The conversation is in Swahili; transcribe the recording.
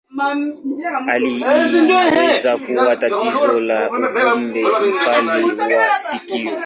Hali hii inaweza kuwa tatizo la uvimbe mkali wa sikio.